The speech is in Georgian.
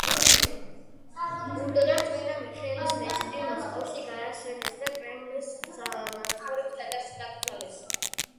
ურდოდან წმინდა მიხეილის ნეშტი მოსკოვში გადაასვენეს და კრემლის მაცხოვრის ტაძარში დაკრძალეს.